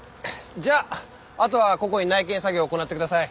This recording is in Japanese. じゃああとは個々に内検作業を行ってください。